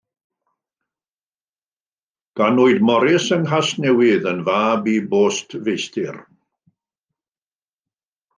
Ganwyd Morris yng Nghasnewydd, yn fab i bostfeistr.